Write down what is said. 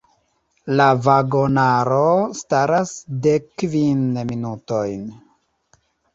La vagonaro staras dekkvin minutojn!